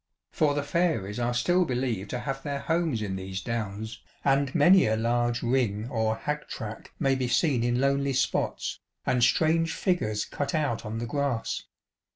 For the fairies are still believed to have their homes in these Downs, and many a large " ring " or " hag track " may be seen in lonely spots, and strange figures cut out on the grass.